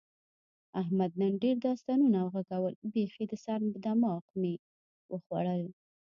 احمد نن ډېر داستانونه و غږول، بیخي د سر ماغز مې یې وخوړل.